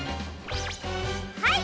はい！